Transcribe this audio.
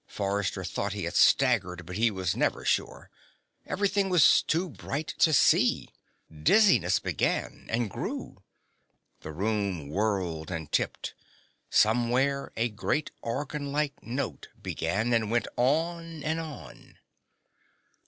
Forrester thought he had staggered, but he was never sure. Everything was too bright to see. Dizziness began, and grew. The room whirled and tipped. Somewhere a great organlike note began, and went on and on.